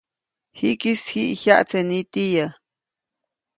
Jikis jiʼ jyaʼtse nitiyä.